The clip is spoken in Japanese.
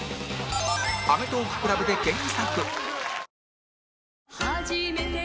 「アメトーーク ＣＬＵＢ」で検索